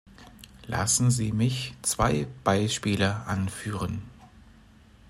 Lassen Sie mich zwei Beispiele anführen.